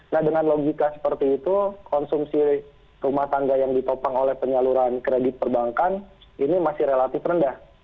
nah dengan logika seperti itu konsumsi rumah tangga yang ditopang oleh penyaluran kredit perbankan ini masih relatif rendah